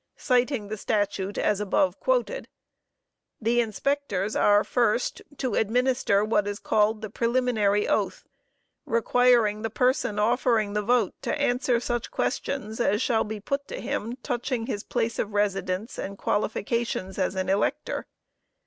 (Citing the statute as above quoted.) The inspectors are, first, to administer what is called the preliminary oath, requiring the person offering the vote to answer such questions as shall be put to him touching his place of residence and qualifications as an elector.